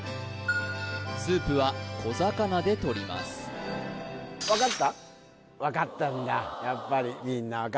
スープは小魚でとります分かったんだ